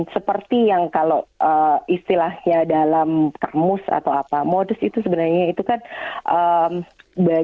seperti yang kalau istilahnya dalam kamus atau apa modus itu sebenarnya itu kan baju yang showing less skin ya bu ya